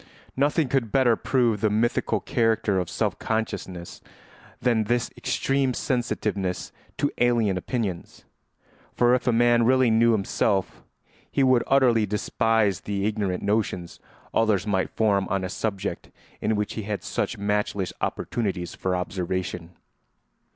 Nothing could better prove the mythical character of self consciousness than this extreme sensitiveness to alien opinions; for if a man really knew himself he would utterly despise the ignorant notions others might form on a subject in which he had such matchless opportunities for observation.